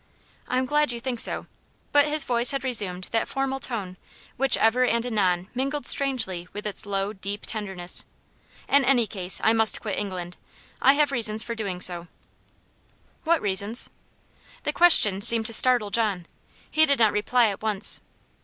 "I am glad you think so." But his voice had resumed that formal tone which ever and anon mingled strangely with its low, deep tenderness. "In any case, I must quit England. I have reasons for so doing." "What reasons?" The question seemed to startle John he did not reply at once.